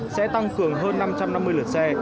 sẽ tăng cường hơn năm trăm năm mươi lượt xe